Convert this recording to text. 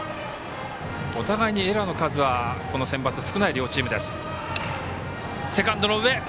お互いにエラーの数はこのセンバツ、少ない両チーム。